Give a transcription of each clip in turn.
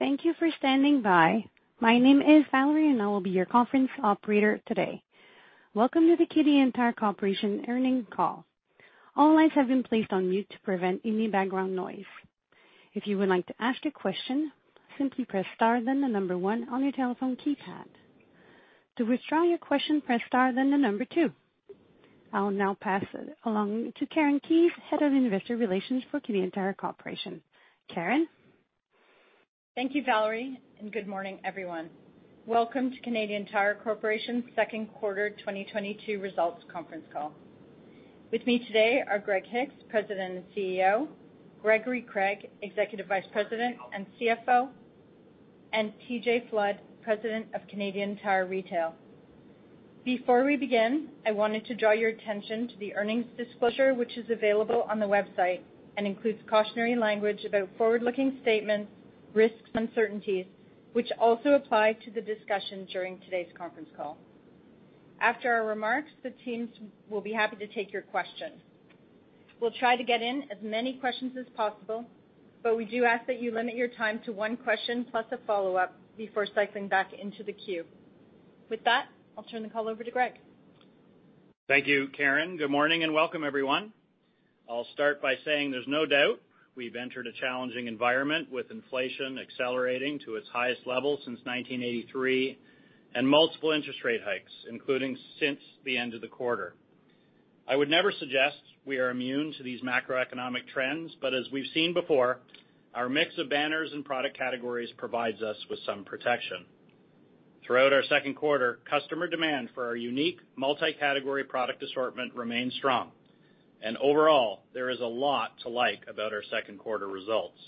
Thank you for standing by. My name is Valerie, and I will be your conference operator today. Welcome to the Canadian Tire Corporation earnings call. All lines have been placed on mute to prevent any background noise. If you would like to ask a question, simply press star then the number one on your telephone keypad. To withdraw your question, press star then the number two. I'll now pass it along to Karen Keyes, Head of Investor Relations for Canadian Tire Corporation. Karen. Thank you, Valerie, and good morning, everyone. Welcome to Canadian Tire Corporation's Q2 2022 results conference call. With me today are Greg Hicks, President and CEO, Gregory Craig, Executive Vice President and CFO, and TJ Flood, President of Canadian Tire Retail. Before we begin, I wanted to draw your attention to the earnings disclosure, which is available on the website and includes cautionary language about forward-looking statements, risks, uncertainties, which also apply to the discussion during today's conference call. After our remarks, the teams will be happy to take your questions. We'll try to get in as many questions as possible, but we do ask that you limit your time to one question plus a follow-up before cycling back into the queue. With that, I'll turn the call over to Greg. Thank you, Karen. Good morning and welcome, everyone. I'll start by saying there's no doubt we've entered a challenging environment with inflation accelerating to its highest level since 1983 and multiple interest rate hikes, including since the end of the quarter. I would never suggest we are immune to these macroeconomic trends, but as we've seen before, our mix of banners and product categories provides us with some protection. Throughout our Q2, customer demand for our unique multi-category product assortment remained strong. Overall, there is a lot to like about our Q2 results.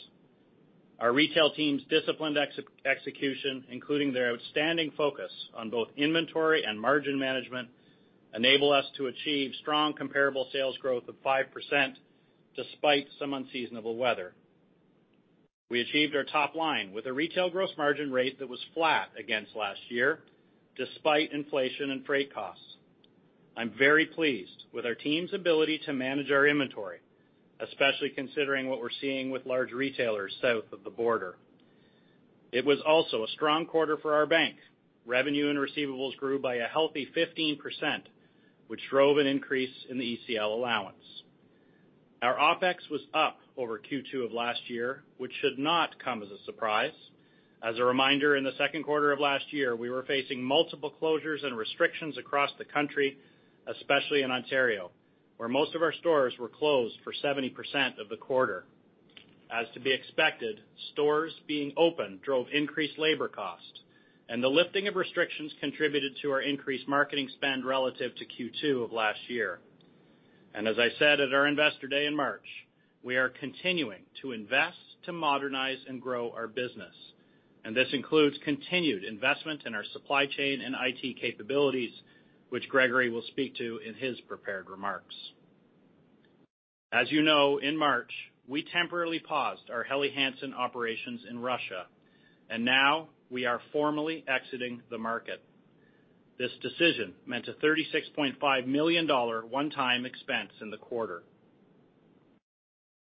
Our retail team's disciplined execution, including their outstanding focus on both inventory and margin management, enable us to achieve strong comparable sales growth of 5% despite some unseasonable weather. We achieved our top line with a retail gross margin rate that was flat against last year despite inflation and freight costs. I'm very pleased with our team's ability to manage our inventory, especially considering what we're seeing with large retailers south of the border. It was also a strong quarter for our bank. Revenue and receivables grew by a healthy 15%, which drove an increase in the ECL allowance. Our OpEx was up over Q2 of last year, which should not come as a surprise. As a reminder, in the Q2 of last year, we were facing multiple closures and restrictions across the country, especially in Ontario, where most of our stores were closed for 70% of the quarter. As to be expected, stores being open drove increased labor cost, and the lifting of restrictions contributed to our increased marketing spend relative to Q2 of last year. As I said at our Investor Day in March, we are continuing to invest to modernize and grow our business, and this includes continued investment in our supply chain and IT capabilities, which Gregory will speak to in his prepared remarks. As you know, in March, we temporarily paused our Helly Hansen operations in Russia, and now we are formally exiting the market. This decision meant a $ 36.5 million one-time expense in the quarter.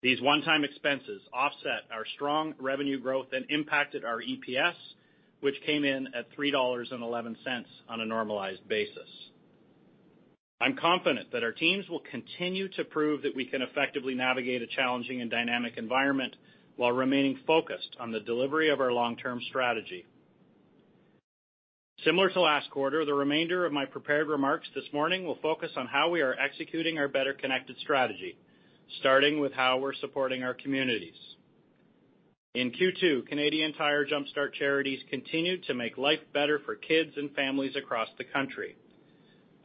These one-time expenses offset our strong revenue growth and impacted our EPS, which came in at $ 3.11 on a normalized basis. I'm confident that our teams will continue to prove that we can effectively navigate a challenging and dynamic environment while remaining focused on the delivery of our long-term strategy. Similar to last quarter, the remainder of my prepared remarks this morning will focus on how we are executing our Better Connected strategy, starting with how we're supporting our communities. In Q2, Canadian Tire Jumpstart Charities continued to make life better for kids and families across the country.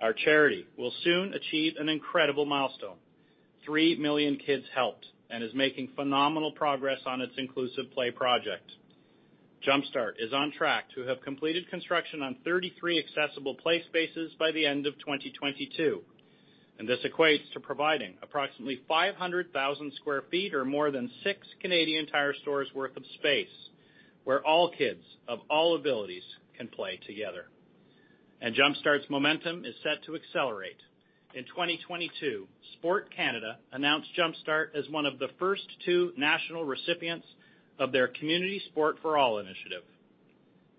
Our charity will soon achieve an incredible milestone, 3 million kids helped, and is making phenomenal progress on its inclusive play project. Jumpstart is on track to have completed construction on 33 accessible play spaces by the end of 2022, and this equates to providing approximately 500,000 sq ft or more than six Canadian Tire stores worth of space where all kids of all abilities can play together. Jumpstart's momentum is set to accelerate. In 2022, Sport Canada announced Jumpstart as one of the first two national recipients of their Community Sport for All Initiative.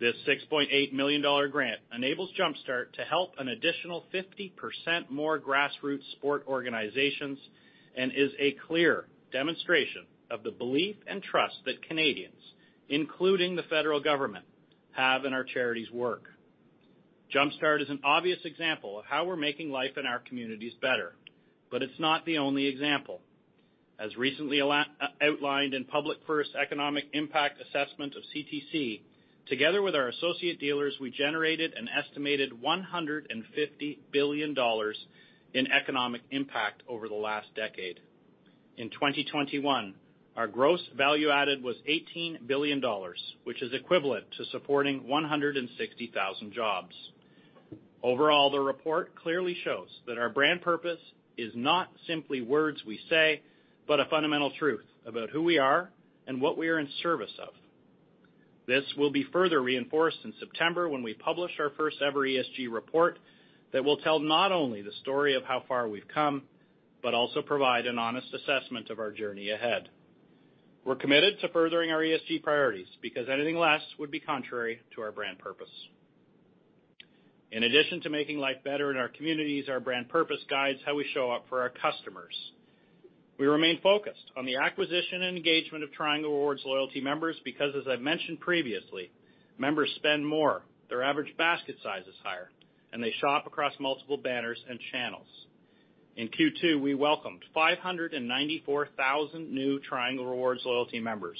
This $ 6.8 million grant enables Jumpstart to help an additional 50% more grassroots sport organizations and is a clear demonstration of the belief and trust that Canadians, including the federal government, have in our charity's work. Jumpstart is an obvious example of how we're making life in our communities better, but it's not the only example. As recently outlined in Public First Economic Impact Assessment of CTC, together with our associate dealers, we generated an estimated $ 150 billion in economic impact over the last de$e. In 2021, our gross value added was $ 18 billion, which is equivalent to supporting 160,000 jobs. Overall, the report clearly shows that our brand purpose is not simply words we say, but a fundamental truth about who we are and what we are in service of. This will be further reinforced in September when we publish our first ever ESG report that will tell not only the story of how far we've come, but also provide an honest assessment of our journey ahead. We're committed to furthering our ESG priorities because anything less would be contrary to our brand purpose. In addition to making life better in our communities, our brand purpose guides how we show up for our customers. We remain focused on the acquisition and engagement of Triangle Rewards loyalty members because, as I've mentioned previously, members spend more, their average basket size is higher, and they shop across multiple banners and channels. In Q2, we welcomed 594,000 new Triangle Rewards loyalty members.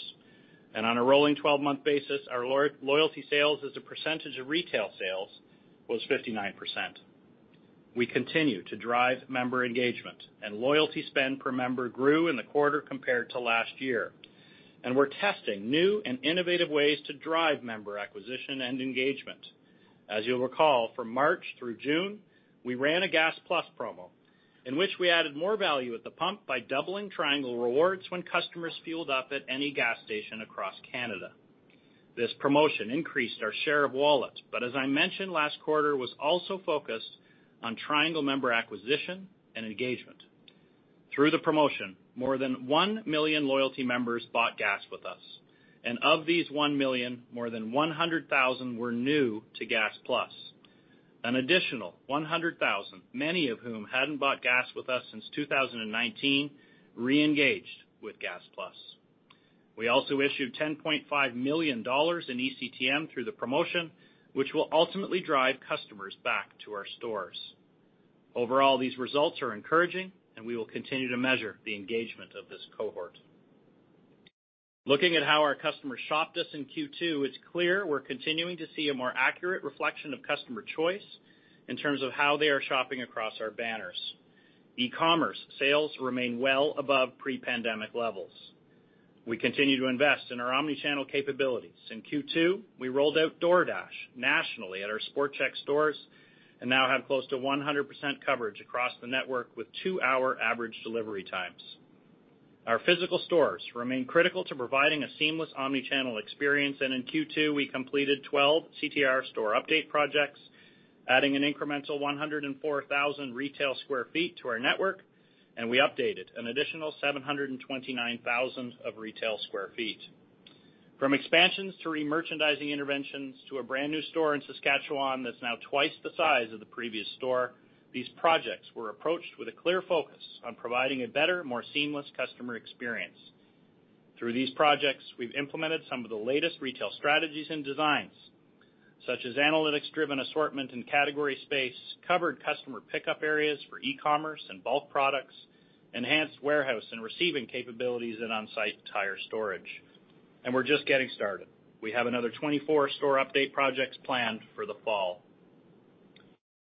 On a rolling twelve-month basis, our loyalty sales as a percentage of retail sales was 59%. We continue to drive member engagement and loyalty spend per member grew in the quarter compared to last year. We're testing new and innovative ways to drive member acquisition and engagement. As you'll recall, from March through June, we ran a Gas+ promo in which we added more value at the pump by doubling Triangle Rewards when customers fueled up at any gas station across Canada. This promotion increased our share of wallet, but as I mentioned last quarter, was also focused on Triangle member acquisition and engagement. Through the promotion, more than 1 million loyalty members bought gas with us, and of these 1 million, more than 100,000 were new to Gas+. An additional 100,000, many of whom hadn't bought gas with us since 2019, re-engaged with Gas+. We also issued $ 10.5 million in eCTM through the promotion, which will ultimately drive customers back to our stores. Overall, these results are encouraging, and we will continue to measure the engagement of this cohort. Looking at how our customers shopped us in Q2, it's clear we're continuing to see a more accurate reflection of customer choice in terms of how they are shopping across our banners. E-commerce sales remain well above pre-pandemic levels. We continue to invest in our omni-channel capabilities. In Q2, we rolled out DoorDash nationally at our SportChek stores and now have close to 100% coverage across the network with two-hour average delivery times. Our physical stores remain critical to providing a seamless omni-channel experience, and in Q2, we completed 12 CTR store update projects, adding an incremental 104,000 retail sq ft to our network, and we updated an additional 729,000 of retail sq ft. From expansions to remerchandising interventions to a brand-new store in Saskatchewan that's now twice the size of the previous store, these projects were approached with a clear focus on providing a better, more seamless customer experience. Through these projects, we've implemented some of the latest retail strategies and designs, such as analytics-driven assortment and category space, covered customer pickup areas for e-commerce and bulk products, enhanced warehouse and receiving capabilities and on-site tire storage. We're just getting started. We have another 24 store update projects planned for the fall.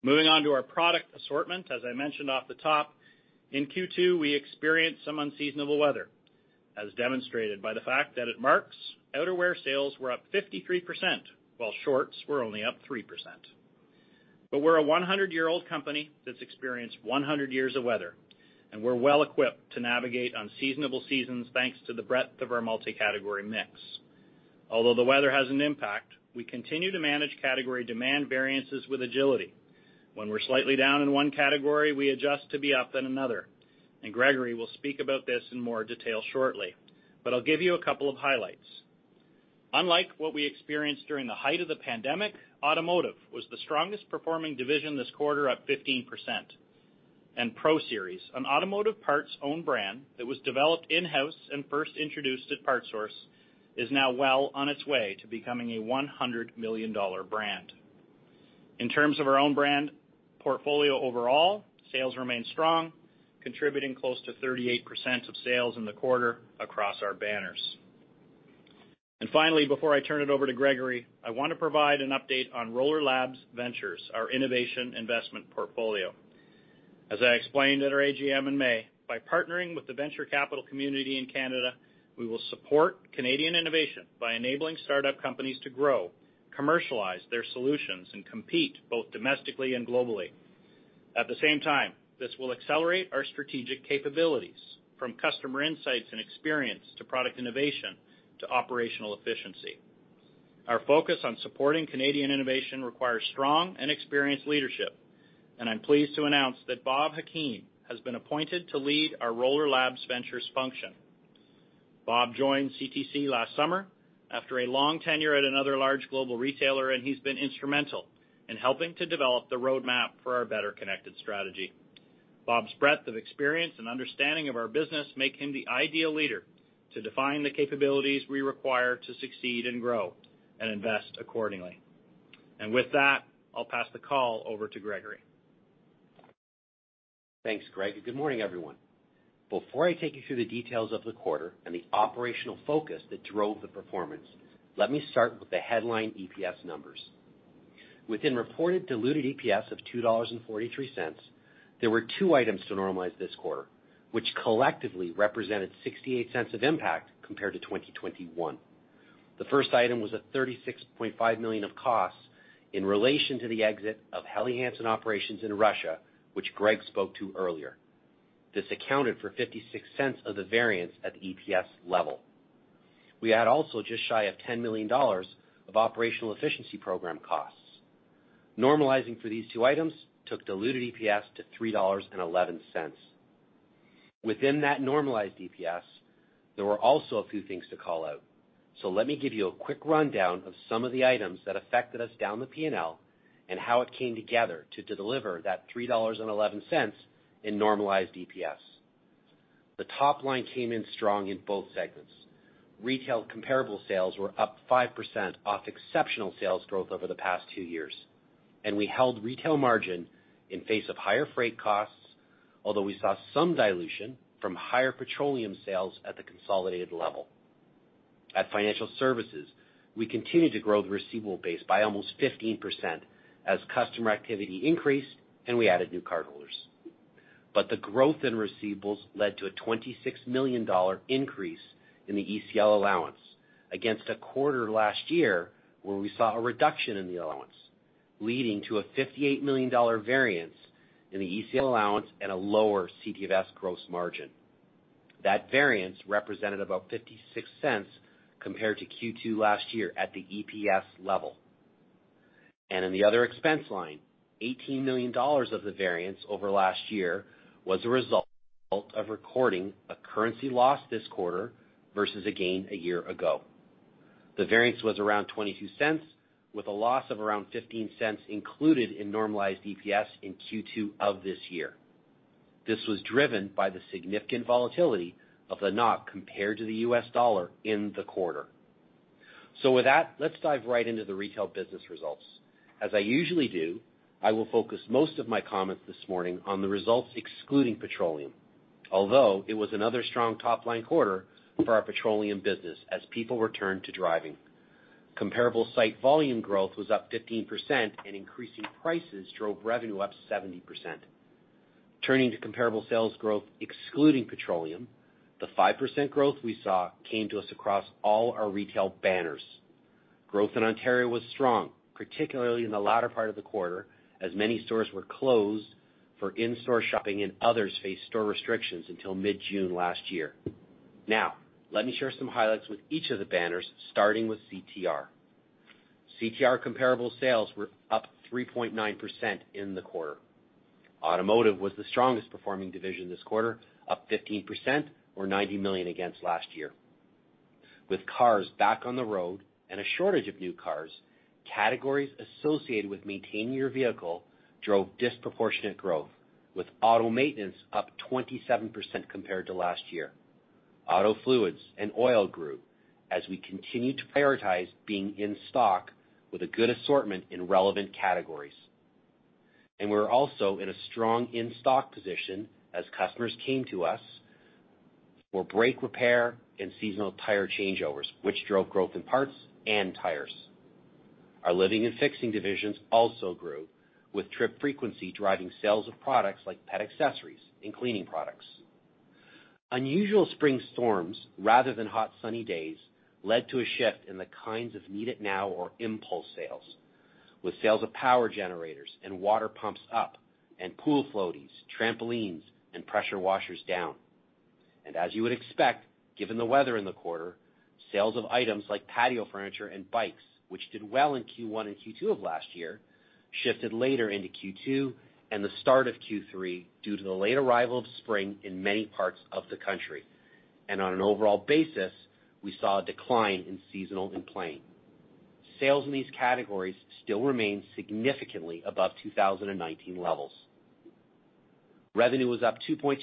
Moving on to our product assortment, as I mentioned off the top, in Q2, we experienced some unseasonable weather, as demonstrated by the fact that at Mark's, outerwear sales were up 53%, while shorts were only up 3%. We're a 100-year-old company that's experienced 100 years of weather, and we're well-equipped to navigate unseasonable seasons, thanks to the breadth of our multi-category mix. Although the weather has an impact, we continue to manage category demand variances with agility. When we're slightly down in one category, we adjust to be up in another. Gregory will speak about this in more detail shortly. I'll give you a couple of highlights. Unlike what we experienced during the height of the pandemic, automotive was the strongest performing division this quarter at 15%. PRO-SERIES, an automotive parts-owned brand that was developed in-house and first introduced at PartSource, is now well on its way to becoming a $ 100 million dollar brand. In terms of our own brand portfolio overall, sales remain strong, contributing close to 38% of sales in the quarter across our banners. Finally, before I turn it over to Gregory, I want to provide an update on Roller Labs Ventures, our innovation investment portfolio. As I explained at our AGM in May, by partnering with the venture capital community in Canada, we will support Canadian innovation by enabling startup companies to grow, commercialize their solutions, and compete both domestically and globally. At the same time, this will accelerate our strategic capabilities, from customer insights and experience to product innovation to operational efficiency. Our focus on supporting Canadian innovation requires strong and experienced leadership, and I'm pleased to announce that Bob Hakeem has been appointed to lead our Roller Labs Ventures function. Bob joined CTC last summer after a long tenure at another large global retailer, and he's been instrumental in helping to develop the roadmap for our Better Connected strategy. Bob's breadth of experience and understanding of our business make him the ideal leader to define the capabilities we require to succeed and grow and invest accordingly. With that, I'll pass the call over to Gregory. Thanks, Greg, and good morning, everyone. Before I take you through the details of the quarter and the operational focus that drove the performance, let me start with the headline EPS numbers. We reported diluted EPS of $2.43, there were two items to normalize this quarter, which collectively represented $ 0.68 of impact compared to 2021. The first item was $ 36.5 million of costs in relation to the exit of Helly Hansen operations in Russia, which Greg spoke to earlier. This accounted for $0.56 of the variance at the EPS level. We had also just shy of $10 million of operational efficiency program costs. Normalizing for these two items took diluted EPS to $3.11. Within that normalized EPS, there were also a few things to call out, so let me give you a quick rundown of some of the items that affected us down the P&L and how it came together to deliver that $3.11 in normalized EPS. The top line came in strong in both segments. Retail comparable sales were up 5% off exceptional sales growth over the past two years, and we held retail margin in face of higher freight costs, although we saw some dilution from higher petroleum sales at the consolidated level. At financial services, we continued to grow the receivable base by almost 15% as customer activity increased and we added new cardholders. The growth in receivables led to a $26 million increase in the ECL allowance against a quarter last year where we saw a reduction in the allowance, leading to a $58 million variance in the ECL allowance and a lower CTFS gross margin. That variance represented about $0.56 compared to Q2 last year at the EPS level. In the other expense line, $18 million of the variance over last year was a result of recording a currency loss this quarter versus a gain a year ago. The variance was around $0.22, with a loss of around $0.15 included in normalized EPS in Q2 of this year. This was driven by the significant volatility of the loonie compared to the US dollar in the quarter. With that, let's dive right into the retail business results. As I usually do, I will focus most of my comments this morning on the results excluding petroleum, although it was another strong top-line quarter for our petroleum business as people returned to driving. Comparable site volume growth was up 15% and increasing prices drove revenue up 70%. Turning to comparable sales growth excluding petroleum, the 5% growth we saw came to us across all our retail banners. Growth in Ontario was strong, particularly in the latter part of the quarter, as many stores were closed for in-store shopping and others faced store restrictions until mid-June last year. Now, let me share some highlights with each of the banners, starting with CTR. CTR comparable sales were up 3.9% in the quarter. Automotive was the strongest performing division this quarter, up 15% or 90 million against last year. With cars back on the road and a shortage of new cars, categories associated with maintaining your vehicle drove disproportionate growth, with auto maintenance up 27% compared to last year. Auto fluids and oil grew as we continued to prioritize being in stock with a good assortment in relevant categories. We're also in a strong in-stock position as customers came to us for brake repair and seasonal tire changeovers, which drove growth in parts and tires. Our living and fixing divisions also grew, with trip frequency driving sales of products like pet accessories and cleaning products. Unusual spring storms rather than hot, sunny days led to a shift in the kinds of need it now or impulse sales, with sales of power generators and water pumps up and pool floaties, trampolines and pressure washers down. As you would expect, given the weather in the quarter, sales of items like patio furniture and bikes, which did well in Q1 and Q2 of last year, shifted later into Q2 and the start of Q3 due to the late arrival of spring in many parts of the country. On an overall basis, we saw a decline in seasonal and lawn. Sales in these categories still remain significantly above 2019 levels. Revenue was up 2.2%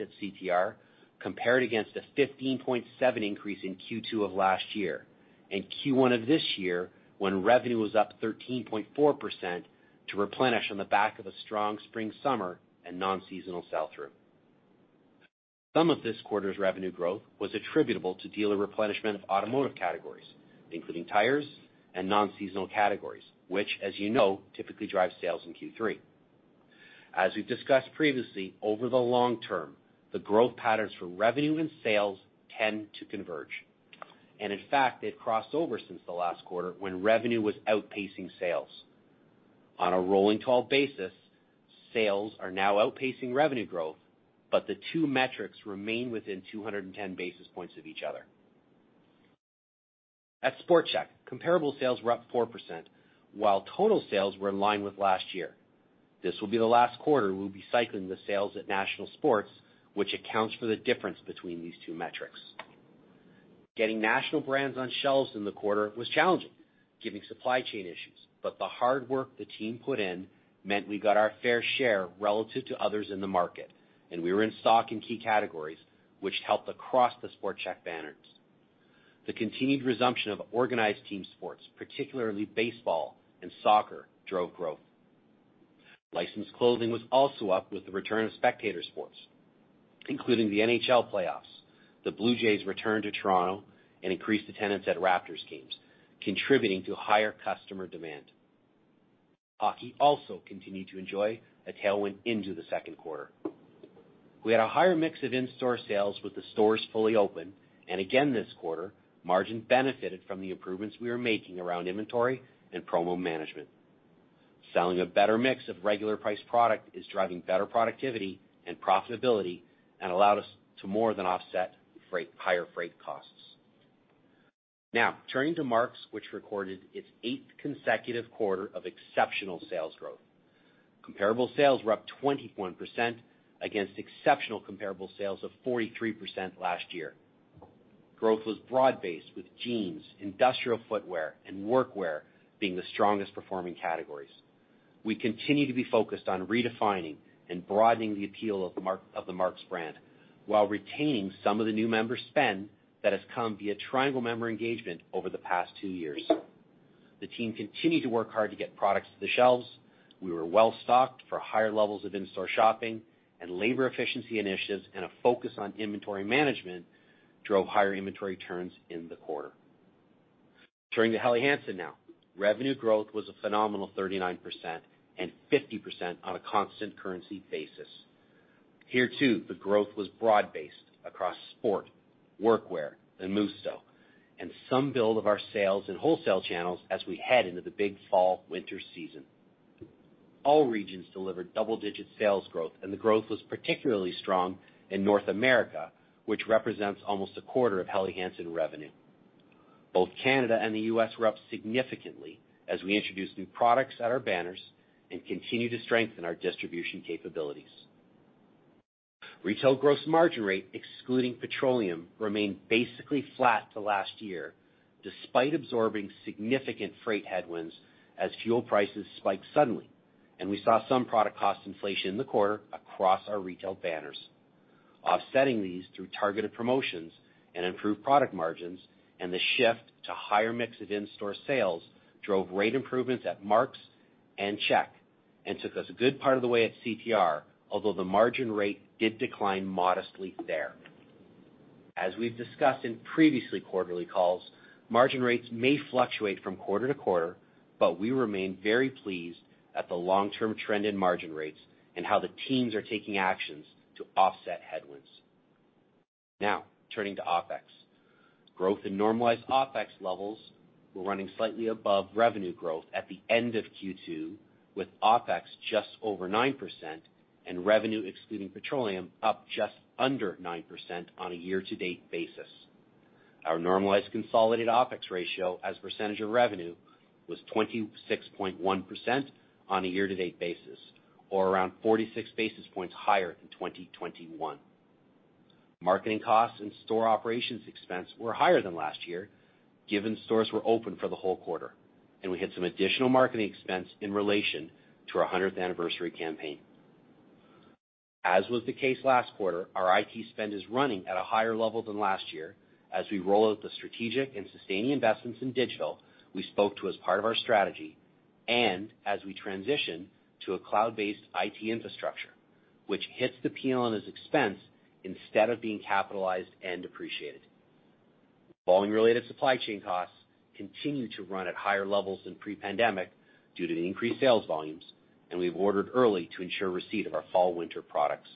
at CTR compared against a 15.7% increase in Q2 of last year and Q1 of this year when revenue was up 13.4% to replenish on the back of a strong spring, summer and non-seasonal sell-through. Some of this quarter's revenue growth was attributable to dealer replenishment of automotive categories, including tires and non-seasonal categories, which as you know, typically drive sales in Q3. As we've discussed previously, over the long term, the growth patterns for revenue and sales tend to converge. In fact, they've crossed over since the last quarter when revenue was outpacing sales. On a rolling twelve basis, sales are now outpacing revenue growth, but the two metrics remain within 210 basis points of each other. At SportChek, comparable sales were up 4%, while total sales were in line with last year. This will be the last quarter we'll be cycling the sales at National Sports, which accounts for the difference between these two metrics. Getting national brands on shelves in the quarter was challenging, given supply chain issues, but the hard work the team put in meant we got our fair share relative to others in the market, and we were in stock in key categories, which helped across the SportChek banners. The continued resumption of organized team sports, particularly baseball and soccer, drove growth. Licensed clothing was also up with the return of spectator sports, including the NHL playoffs, the Blue Jays return to Toronto, and increased attendance at Raptors games, contributing to higher customer demand. Hockey also continued to enjoy a tailwind into the Q2. We had a higher mix of in-store sales with the stores fully open, and again this quarter, margin benefited from the improvements we are making around inventory and promo management. Selling a better mix of regular price product is driving better productivity and profitability and allowed us to more than offset higher freight costs. Now turning to Mark's, which recorded its eighth consecutive quarter of exceptional sales growth. Comparable sales were up 21% against exceptional comparable sales of 43% last year. Growth was broad-based with jeans, industrial footwear, and workwear being the strongest performing categories. We continue to be focused on redefining and broadening the appeal of the Mark's brand while retaining some of the new member spend that has come via Triangle member engagement over the past two years. The team continued to work hard to get products to the shelves. We were well stocked for higher levels of in-store shopping and labor efficiency initiatives, and a focus on inventory management drove higher inventory turns in the quarter. Turning to Helly Hansen now. Revenue growth was a phenomenal 39% and 50% on a constant currency basis. Here too, the growth was broad-based across sport, workwear, and MUSTO Retail gross margin rate, excluding petroleum, remained basically flat to last year, despite absorbing significant freight headwinds as fuel prices spiked suddenly, and we saw some product cost inflation in the quarter across our retail banners. Offsetting these through targeted promotions and improved product margins and the shift to higher mix of in-store sales drove rate improvements at Mark's and SportChek and took us a good part of the way at CTR, although the margin rate did decline modestly there. As we've discussed in previous quarterly calls, margin rates may fluctuate from quarter to quarter, but we remain very pleased at the long-term trend in margin rates and how the teams are taking actions to offset headwinds. Now turning to OpEx. Growth in normalized OpEx levels were running slightly above revenue growth at the end of Q2, with OpEx just over 9% and revenue excluding petroleum up just under 9% on a year-to-date basis. Our normalized consolidated OpEx ratio as a percentage of revenue was 26.1% on a year-to-date basis, or around 46 basis points higher than 2021. Marketing costs and store operations expense were higher than last year, given stores were open for the whole quarter, and we had some additional marketing expense in relation to our 100th anniversary campaign. As was the case last quarter, our IT spend is running at a higher level than last year as we roll out the strategic and sustaining investments in digital we spoke to as part of our strategy, and as we transition to a cloud-based IT infrastructure, which hits the P&L as expense instead of being capitalized and depreciated. Volume-related supply chain costs continue to run at higher levels than pre-pandemic due to the increased sales volumes, and we've ordered early to ensure receipt of our fall winter products.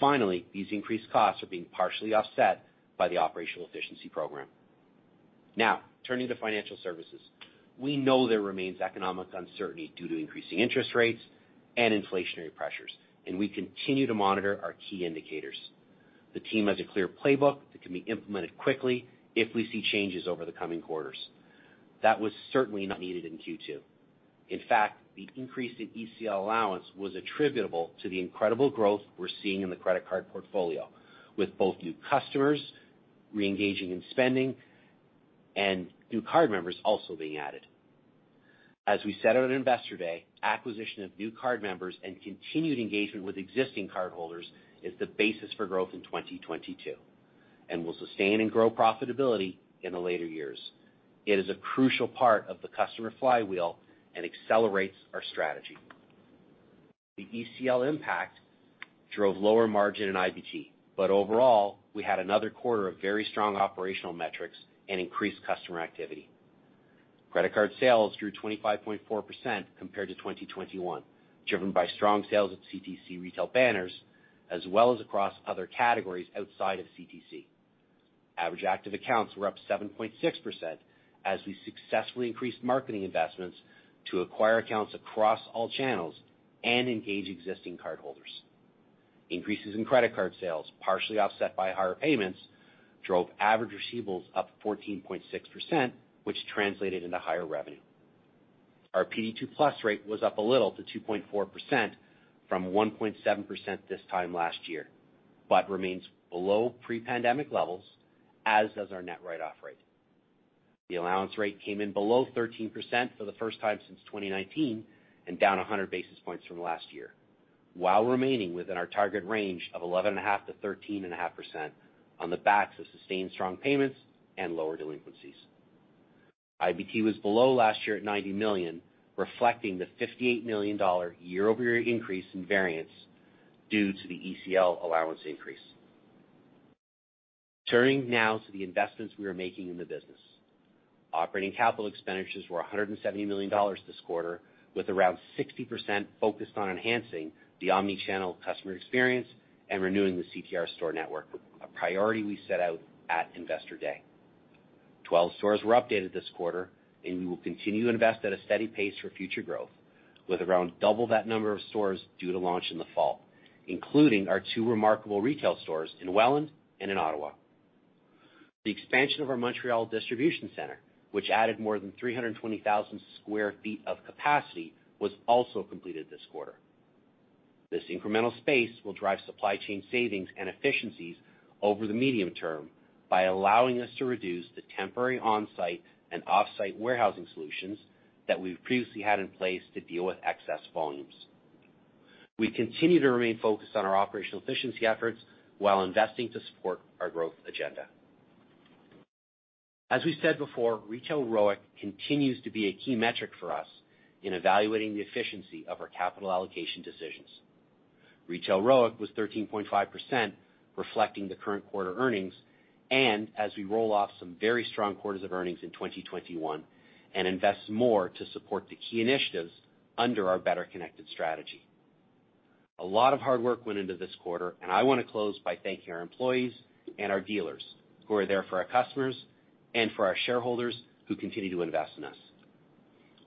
Finally, these increased costs are being partially offset by the operational efficiency program. Now turning to financial services. We know there remains economic uncertainty due to increasing interest rates and inflationary pressures, and we continue to monitor our key indicators. The team has a clear playbook that can be implemented quickly if we see changes over the coming quarters. That was certainly not needed in Q2. In fact, the increase in ECL allowance was attributable to the incredible growth we're seeing in the credit card portfolio, with both new customers reengaging in spending and new card members also being added. As we said on Investor Day, acquisition of new card members and continued engagement with existing cardholders is the basis for growth in 2022 and will sustain and grow profitability in the later years. It is a crucial part of the customer flywheel and accelerates our strategy. The ECL impact drove lower margin in IBT, but overall, we had another quarter of very strong operational metrics and increased customer activity. Credit card sales grew 25.4% compared to 2021, driven by strong sales at CTC retail banners as well as across other categories outside of CTC. Average active accounts were up 7.6% as we successfully increased marketing investments to acquire accounts across all channels and engage existing cardholders. Increases in credit card sales, partially offset by higher payments, drove average receivables up 14.6%, which translated into higher revenue. Our PD 2+ rate was up a little to 2.4% from 1.7% this time last year, but remains below pre-pandemic levels, as does our net write-off rate. The allowance rate came in below 13% for the first time since 2019 and down 100 basis points from last year, while remaining within our target range of 11.5%-13.5% on the backs of sustained strong payments and lower delinquencies. IBT was below last year at $ 90 million, reflecting the $ 58 million year-over-year increase in variance due to the ECL allowance increase. Turning now to the investments we are making in the business. Operating capital expenditures were $ 170 million this quarter, with around 60% focused on enhancing the omni-channel customer experience and renewing the CTR store network, a priority we set out at Investor Day. 12 stores were updated this quarter, and we will continue to invest at a steady pace for future growth, with around double that number of stores due to launch in the fall, including our two remarkable retail stores in Welland and in Ottawa. The expansion of our Montreal distribution center, which added more than 320,000 sq ft of capacity, was also completed this quarter. This incremental space will drive supply chain savings and efficiencies over the medium term by allowing us to reduce the temporary on-site and off-site warehousing solutions that we've previously had in place to deal with excess volumes. We continue to remain focused on our operational efficiency efforts while investing to support our growth agenda. As we said before, retail ROIC continues to be a key metric for us in evaluating the efficiency of our capital allocation decisions. Retail ROIC was 13.5% reflecting the current quarter earnings and as we roll off some very strong quarters of earnings in 2021 and invest more to support the key initiatives under our Better Connected strategy. A lot of hard work went into this quarter, and I wanna close by thanking our employees and our dealers who are there for our customers and for our shareholders who continue to invest in us.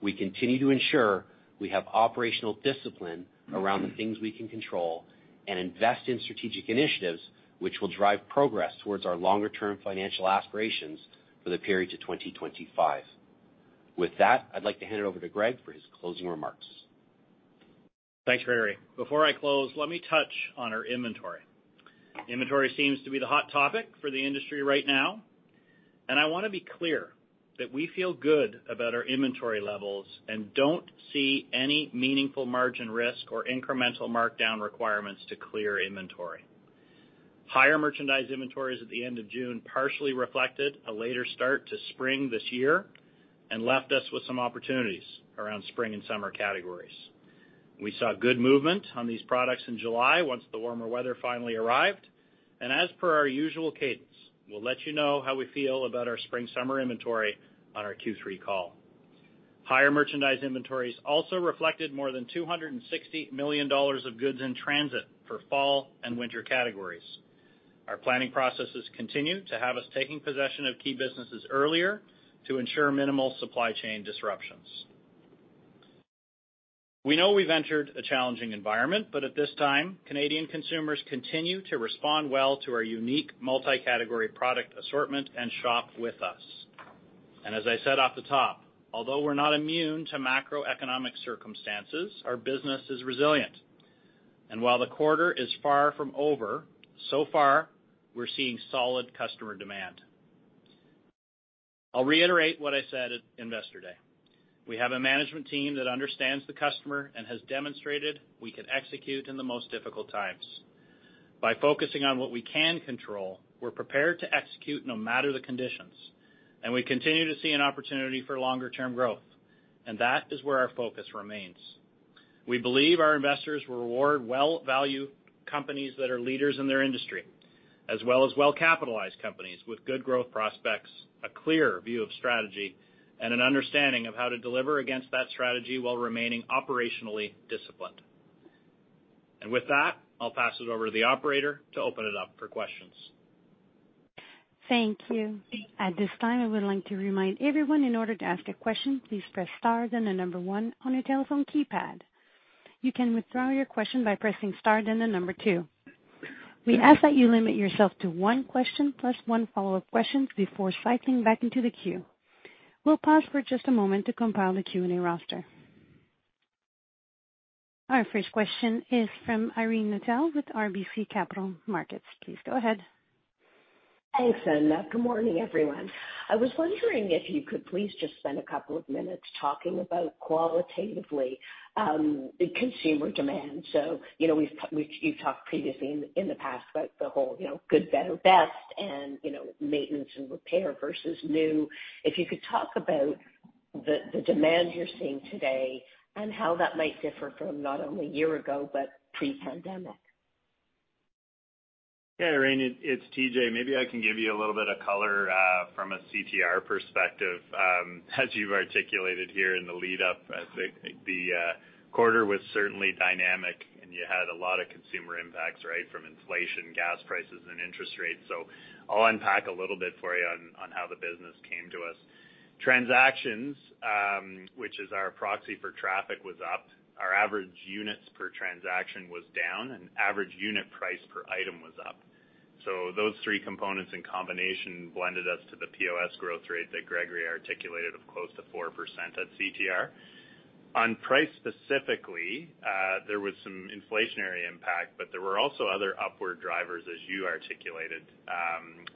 We continue to ensure we have operational discipline around the things we can control and invest in strategic initiatives which will drive progress towards our longer-term financial aspirations for the period to 2025. With that, I'd like to hand it over to Greg for his closing remarks. Thanks, Gregory. Before I close, let me touch on our inventory. Inventory seems to be the hot topic for the industry right now, and I wanna be clear that we feel good about our inventory levels and don't see any meaningful margin risk or incremental markdown requirements to clear inventory. Higher merchandise inventories at the end of June partially reflected a later start to spring this year and left us with some opportunities around spring and summer categories. We saw good movement on these products in July once the warmer weather finally arrived. As per our usual $ence, we'll let you know how we feel about our spring/summer inventory on our Q3 call. Higher merchandise inventories also reflected more than $ 260 million of goods in transit for fall and winter categories. Our planning processes continue to have us taking possession of key businesses earlier to ensure minimal supply chain disruptions. We know we've entered a challenging environment, but at this time, Canadian consumers continue to respond well to our unique multi-category product assortment and shop with us. As I said off the top, although we're not immune to macroeconomic circumstances, our business is resilient. While the quarter is far from over, so far, we're seeing solid customer demand. I'll reiterate what I said at Investor Day. We have a management team that understands the customer and has demonstrated we can execute in the most difficult times. By focusing on what we can control, we're prepared to execute no matter the conditions, and we continue to see an opportunity for longer-term growth, and that is where our focus remains. We believe our investors will reward well-valued companies that are leaders in their industry, as well as well-capitalized companies with good growth prospects, a clear view of strategy, and an understanding of how to deliver against that strategy while remaining operationally disciplined. With that, I'll pass it over to the operator to open it up for questions. Thank you. At this time, I would like to remind everyone in order to ask a question, please press star, then the number one on your telephone keypad. You can withdraw your question by pressing star, then the number two. We ask that you limit yourself to one question plus one follow-up question before cycling back into the queue. We'll pause for just a moment to compile the Q&A roster. Our first question is from Irene Nattel with RBC Capital Markets. Please go ahead. Thanks, Anna. Good morning, everyone. I was wondering if you could please just spend a couple of minutes talking about qualitatively the consumer demand. You know, you've talked previously in the past about the whole, you know, good, better, best and, you know, maintenance and repair versus new. If you could talk about the demand you're seeing today and how that might differ from not only a year ago, but pre-pandemic. Yeah, Irene, it's TJ. Maybe I can give you a little bit of color from a CTR perspective. As you've articulated here in the lead-up, I think the quarter was certainly dynamic, and you had a lot of consumer impacts, right, from inflation, gas prices, and interest rates. I'll unpack a little bit for you on how the business came to us. Transactions, which is our proxy for traffic, was up. Our average units per transaction was down, and average unit price per item was up. Those three components in combination blended us to the POS growth rate that Gregory articulated of close to 4% at CTR. On price specifically, there was some inflationary impact, but there were also other upward drivers, as you articulated.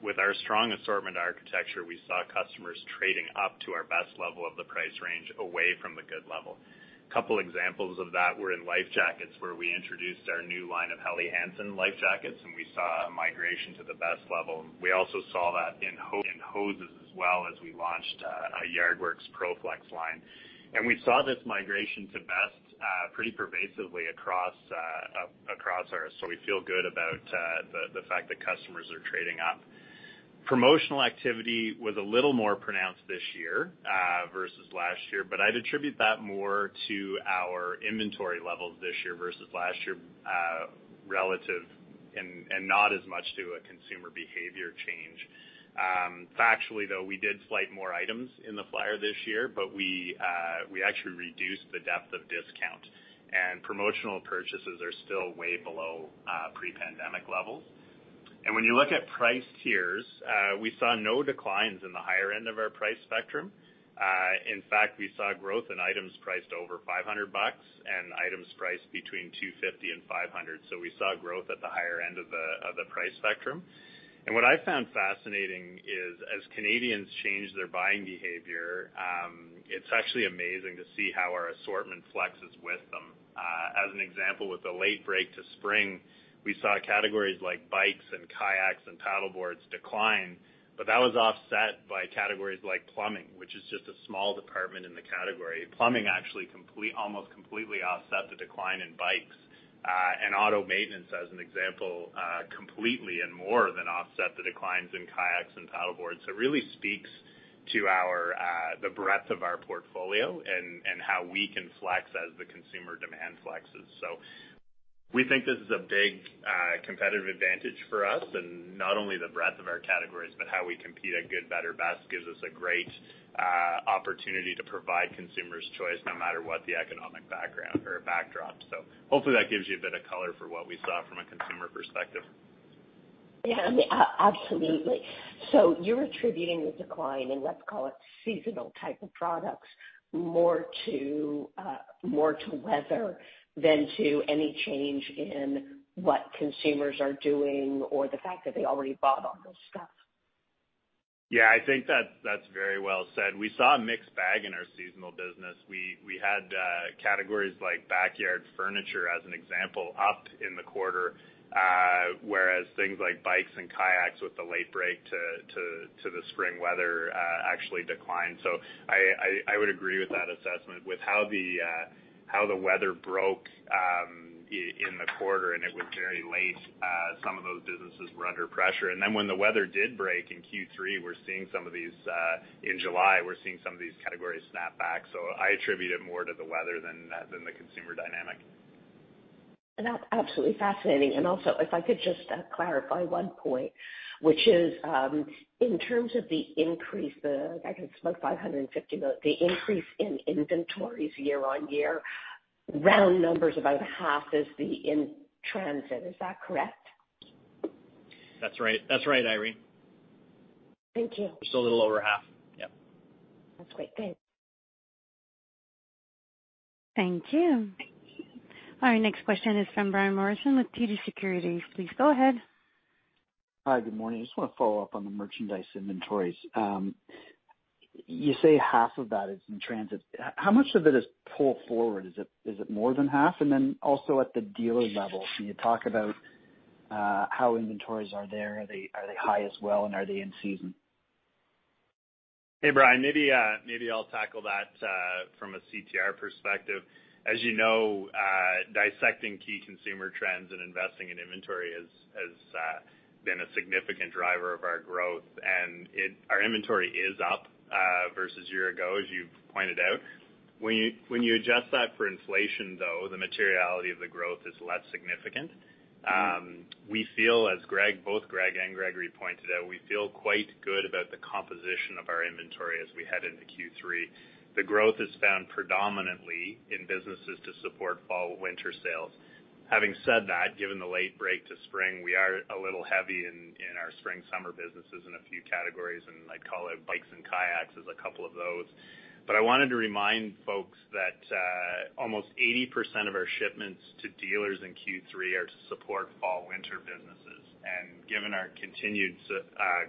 With our strong assortment architecture, we saw customers trading up to our best level of the price range away from the good level. Couple examples of that were in life jackets, where we introduced our new line of Helly Hansen life jackets, and we saw a migration to the best level. We also saw that in hoses as well as we launched a Yardworks ProFlex line. We saw this migration to best pretty pervasively across our. We feel good about the fact that customers are trading up. Promotional activity was a little more pronounced this year versus last year, but I'd attribute that more to our inventory levels this year versus last year relative. Not as much to a consumer behavior change. Factually, though, we did slightly more items in the flyer this year, but we actually reduced the depth of discount. Promotional purchases are still way below pre-pandemic levels. When you look at price tiers, we saw no declines in the higher end of our price spectrum. In fact, we saw growth in items priced over $ 500 and items priced between $ 250 and $ 500. So we saw growth at the higher end of the price spectrum. What I found fascinating is, as Canadians change their buying behavior, it's actually amazing to see how our assortment flexes with them. As an example, with the late break to spring, we saw categories like bikes and kayaks and paddle boards decline, but that was offset by categories like plumbing, which is just a small department in the category. Plumbing actually almost completely offset the decline in bikes, and auto maintenance, as an example, completely and more than offset the declines in kayaks and paddle boards. It really speaks to our the breadth of our portfolio and how we can flex as the consumer demand flexes. We think this is a big competitive advantage for us, and not only the breadth of our categories, but how we compete at good, better, best gives us a great opportunity to provide consumers choice no matter what the economic background or backdrop. Hopefully that gives you a bit of color for what we saw from a consumer perspective. Yeah, I mean, absolutely. You're attributing the decline in, let's call it, seasonal type of products more to weather than to any change in what consumers are doing or the fact that they already bought all this stuff. Yeah, I think that's very well said. We saw a mixed bag in our seasonal business. We had categories like backyard furniture, as an example, up in the quarter, whereas things like bikes and kayaks with the late break to the spring weather actually declined. I would agree with that assessment. With how the weather broke in the quarter, and it was very late, some of those businesses were under pressure. When the weather did break in Q3, in July we're seeing some of these categories snap back. I attribute it more to the weather than the consumer dynamic. That's absolutely fascinating. Also, if I could just clarify one point, which is in terms of the increase in inventories year-over-year, I think it's about $ 550 million, round numbers about half is the in transit. Is that correct? That's right, Irene. Thank you. Just a little over half. Yep. That's great. Thanks. Thank you. Our next question is from Brian Morrison with TD Securities. Please go ahead. Hi, good morning. I just wanna follow up on the merchandise inventories. You say half of that is in transit. How much of it is pulled forward? Is it more than half? Then also at the dealer level, can you talk about how inventories are there? Are they high as well, and are they in season? Hey, Brian. Maybe I'll tackle that from a CTR perspective. As you know, dissecting key consumer trends and investing in inventory has been a significant driver of our growth. Our inventory is up versus year ago, as you've pointed out. When you adjust that for inflation, though, the materiality of the growth is less significant. We feel as Greg, both Greg and Gregory pointed out, we feel quite good about the composition of our inventory as we head into Q3. The growth is found predominantly in businesses to support fall/winter sales. Having said that, given the late break to spring, we are a little heavy in our spring/summer businesses in a few categories, and I'd call out bikes and kayaks as a couple of those. I wanted to remind folks that almost 80% of our shipments to dealers in Q3 are to support fall/winter businesses. Given our continued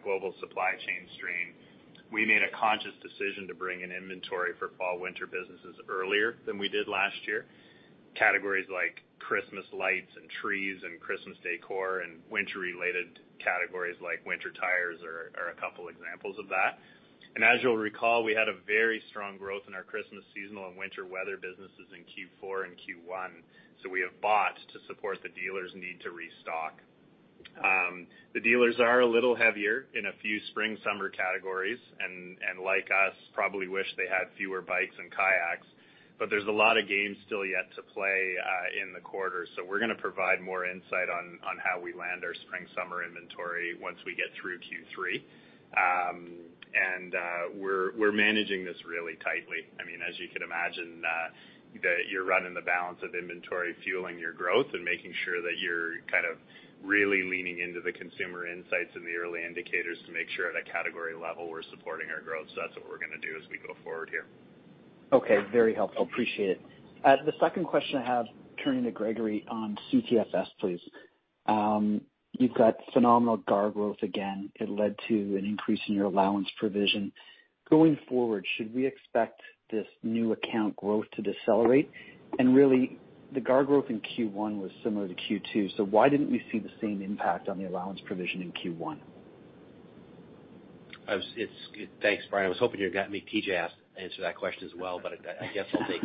global supply chain strain, we made a conscious decision to bring in inventory for fall/winter businesses earlier than we did last year. Categories like Christmas lights and trees and Christmas decor and winter-related categories like winter tires are a couple examples of that. As you'll recall, we had a very strong growth in our Christmas seasonal and winter weather businesses in Q4 and Q1, so we have bought to support the dealers' need to restock. The dealers are a little heavier in a few spring/summer categories and like us, probably wish they had fewer bikes and kayaks. There's a lot of games still yet to play in the quarter. We're gonna provide more insight on how we land our spring/summer inventory once we get through Q3. We're managing this really tightly. I mean, as you can imagine, we're running the balance of inventory, fueling your growth, and making sure that you're kind of really leaning into the consumer insights and the early indicators to make sure at a category level, we're supporting our growth. That's what we're gonna do as we go forward here. Okay. Very helpful. Appreciate it. The second question I have, turning to Gregory on CTFS, please. You've got phenomenal GAAR growth again. It led to an increase in your allowance provision. Going forward, should we expect this new account growth to decelerate? Really, the GAAR growth in Q1 was similar to Q2, so why didn't we see the same impact on the allowance provision in Q1? Thanks, Brian. I was hoping you'd got me TJ to answer that question as well, but I guess I'll take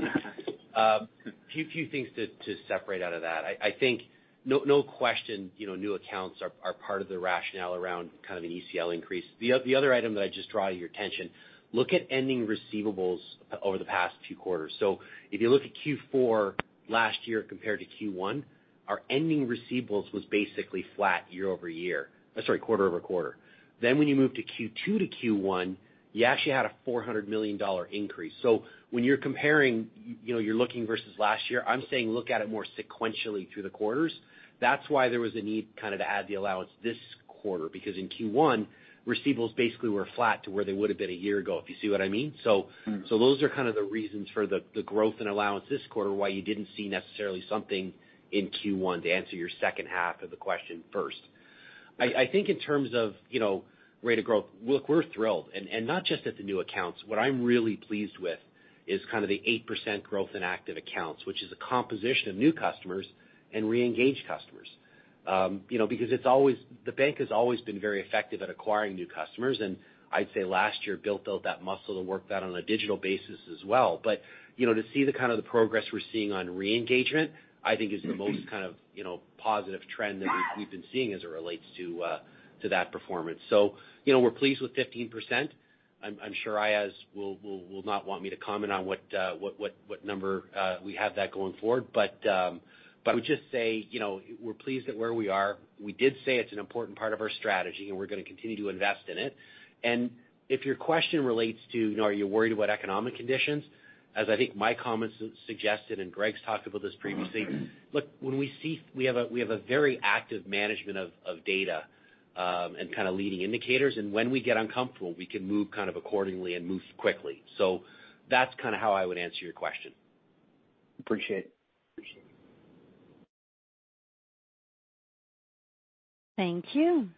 it. Few things to separate out of that. I think no question, you know, new accounts are part of the rationale around kind of an ECL increase. The other item that I'd just draw your attention, look at ending receivables over the past few quarters. If you look at Q4 last year compared to Q1, our ending receivables was basically flat year over year. Sorry, quarter over quarter. Then when you move to Q2 to Q1, you actually had a $ 400 million increase. When you're comparing, you know, you're looking versus last year, I'm saying look at it more sequentially through the quarters. That's why there was a need kind of to add the allowance this quarter, because in Q1, receivables basically were flat to where they would have been a year ago, if you see what I mean. Mm-hmm. Those are kind of the reasons for the growth in allowance this quarter, why you didn't see necessarily something in Q1 to answer your second half of the question first. I think in terms of, you know, rate of growth, look, we're thrilled and not just at the new accounts. What I'm really pleased with is kind of the 8% growth in active accounts, which is a composition of new customers and re-engaged customers. You know, because it's always the bank has always been very effective at acquiring new customers, and I'd say last year, built out that muscle to work that on a digital basis as well. You know, to see the kind of the progress we're seeing on re-engagement, I think is the most kind of, you know, positive trend that we've been seeing as it relates to that performance. So, you know, we're pleased with 15%. I'm sure Aayaz will not want me to comment on what number we have that going forward. I would just say, you know, we're pleased at where we are. We did say it's an important part of our strategy, and we're gonna continue to invest in it. If your question relates to, you know, are you worried about economic conditions? As I think my comments suggested and Greg's talked about this previously, look, when we see we have a very active management of data, kind of leading indicators, and when we get uncomfortable, we can move kind of accordingly and move quickly. That's kinda how I would answer your question. Appreciate it. Appreciate it. Thank you.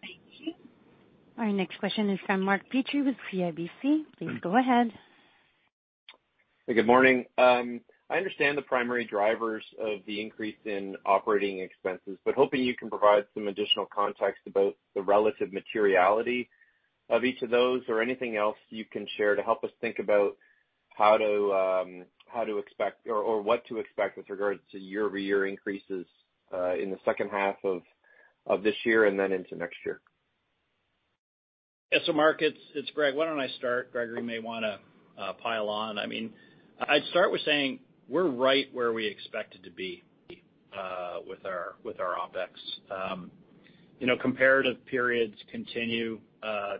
Our next question is from Mark Petrie with CIBC. Please go ahead. Hey, good morning. I understand the primary drivers of the increase in operating expenses, but hoping you can provide some additional context about the relative materiality of each of those or anything else you can share to help us think about how to expect or what to expect with regards to year-over-year increases in the second half of this year and then into next year. Yeah. Mark, it's Greg. Why don't I start? Gregory may wanna pile on. I mean, I'd start with saying we're right where we expected to be with our OPEX. You know, comparative periods continue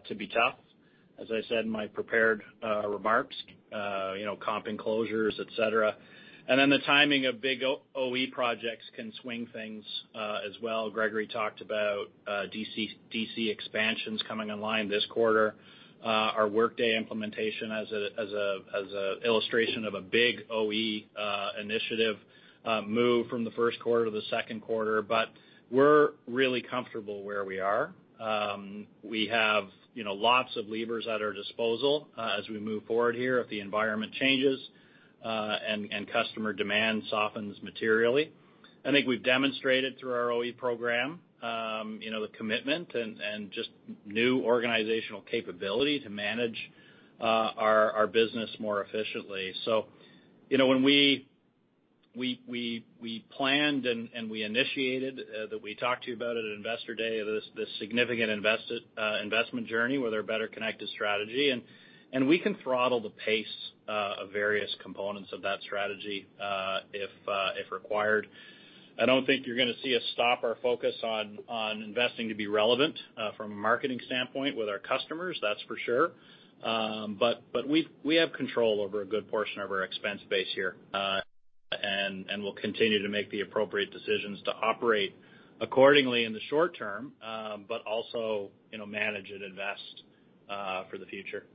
to be tough, as I said in my prepared remarks, you know, comps, et cetera. The timing of big OE projects can swing things as well. Gregory talked about DC expansions coming online this quarter. Our Workday implementation as an illustration of a big OE initiative move from the Q1 to the Q2. We're really comfortable where we are. We have you know lots of levers at our disposal as we move forward here if the environment changes and customer demand softens materially. I think we've demonstrated through our OE program, you know, the commitment and just new organizational capability to manage our business more efficiently. You know, when we planned and we initiated that we talked to you about at Investor Day, this significant investment journey with our Better Connected strategy, and we can throttle the pace of various components of that strategy, if required. I don't think you're gonna see us stop our focus on investing to be relevant from a marketing standpoint with our customers, that's for sure. We have control over a good portion of our expense base here, and we'll continue to make the appropriate decisions to operate accordingly in the short term, but also, you know, manage and invest for the future.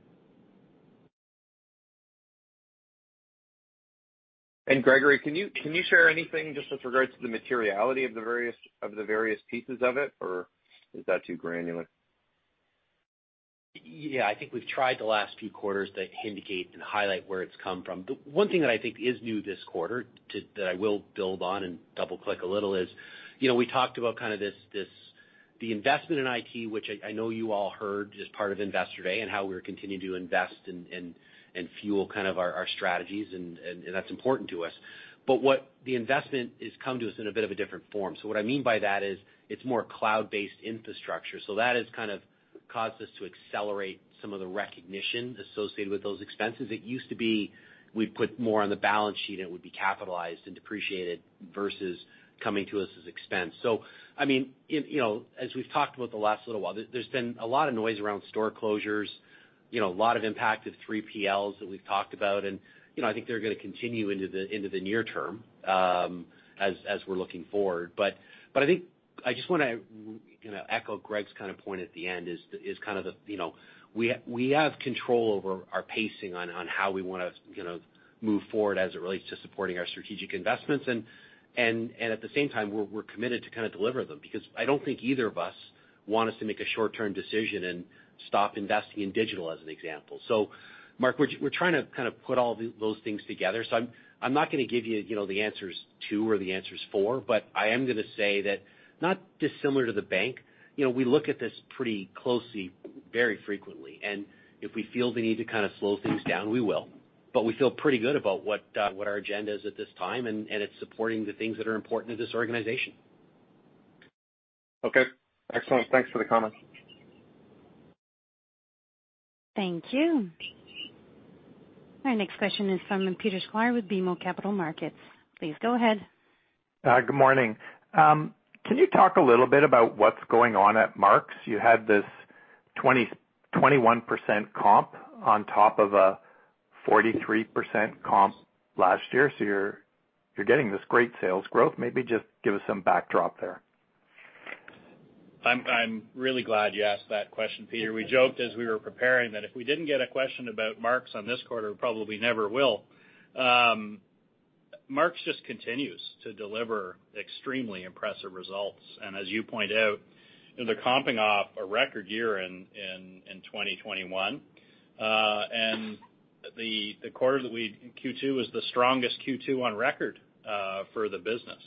Gregory, can you share anything just with regards to the materiality of the various pieces of it, or is that too granular? Yeah. I think we've tried the last few quarters to indicate and highlight where it's come from. The one thing that I think is new this quarter that I will build on and double-click a little is, you know, we talked about kind of this the investment in IT, which I know you all heard as part of Investor Day and how we're continuing to invest and fuel kind of our strategies and that's important to us. But what the investment has come to us in a bit of a different form. So what I mean by that is it's more cloud-based infrastructure. So that has kind of caused us to accelerate some of the recognition associated with those expenses. It used to be we'd put more on the balance sheet and it would be capitalized and depreciated versus coming to us as expense. I mean, you know, as we've talked about the last little while, there's been a lot of noise around store closures, you know, a lot of impact of 3PLs that we've talked about. You know, I think they're gonna continue into the near term, as we're looking forward. I think I just wanna, you know, echo Greg's kind of point at the end is kind of the, you know, we have control over our pacing on how we wanna, you know, move forward as it relates to supporting our strategic investments. At the same time, we're committed to kinda deliver them because I don't think either of us want us to make a short-term decision and stop investing in digital, as an example. Mark, we're trying to kind of put all those things together. I'm not gonna give you know, the answers to or the answers for, but I am gonna say that not dissimilar to the bank, you know, we look at this pretty closely very frequently. If we feel the need to kind of slow things down, we will. We feel pretty good about what our agenda is at this time, and it's supporting the things that are important to this organization. Okay. Excellent. Thanks for the comment. Thank you. Our next question is from Peter Sklar with BMO Capital Markets. Please go ahead. Good morning. Can you talk a little bit about what's going on at Mark's? You had this 21% comp on top of a 43% comp last year, so you're getting this great sales growth. Maybe just give us some backdrop there. I'm really glad you asked that question, Peter. We joked as we were preparing that if we didn't get a question about Mark's on this quarter, we probably never will. Mark's just continues to deliver extremely impressive results. As you point out, they're comping off a record year in 2021. Q2 was the strongest Q2 on record for the business.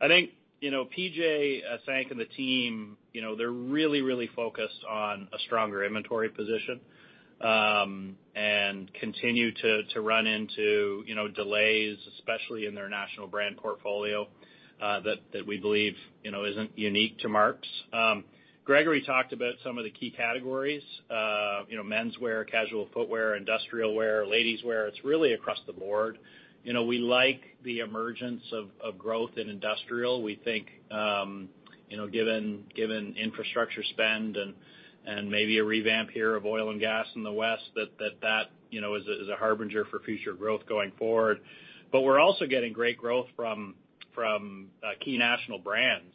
I think, you know, PJ Czank and the team, you know, they're really focused on a stronger inventory position and continue to run into, you know, delays, especially in their national brand portfolio that we believe, you know, isn't unique to Mark's. Gregory talked about some of the key categories, you know, menswear, casual footwear, industrial wear, ladies wear. It's really across the board. You know, we like the emergence of growth in industrial. We think you know given infrastructure spend and maybe a revamp here of oil and gas in the West that you know is a harbinger for future growth going forward. We're also getting great growth from key national brands.